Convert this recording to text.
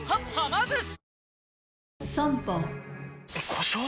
故障？